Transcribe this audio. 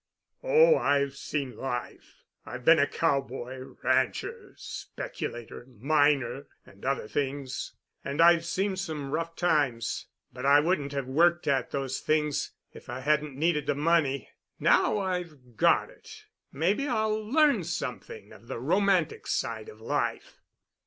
"Oh, I've seen life. I've been a cowboy, rancher, speculator, miner, and other things. And I've seen some rough times. But I wouldn't have worked at those things if I hadn't needed the money. Now I've got it, maybe I'll learn something of the romantic side of life."